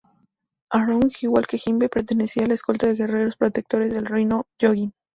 Arlong, igual que Jinbe, pertenecían a la escolta de guerreros protectores del reino Gyojin.